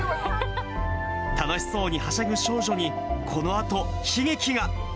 楽しそうにはしゃぐ少女に、このあと悲劇が。